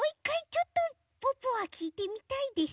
ちょっとポッポはきいてみたいです。